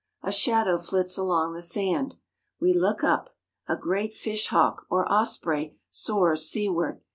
A shadow flits along the sand. We look up. A great fish hawk or osprey soars seaward.